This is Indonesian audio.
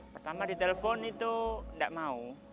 pertama di telepon itu enggak mau